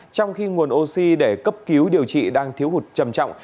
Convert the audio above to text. trong khi nguồn oxy để cấp cứu điều trị đang thiếu hụt trầm trọng